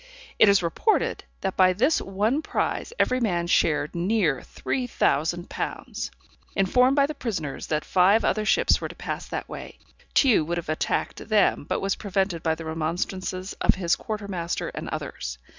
It is reported, that by this one prize every man shared near three thousand pounds. Informed by the prisoners that five other ships were to pass that way, Tew would have attacked them, but was prevented by the remonstrances of his quarter master and others.